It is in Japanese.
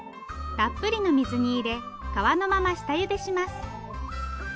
たっぷりの水に入れ皮のまま下ゆでします。